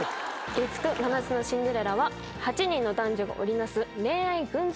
月９『真夏のシンデレラ』は８人の男女が織り成す恋愛群像劇。